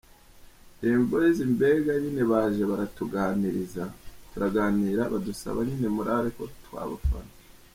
Dream Boys mbega nyine baje baratuganiriza, turaganira, badusaba nyine morale ko twabafana.